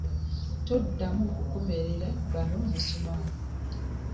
Toddamu kukomerera banno misumaali.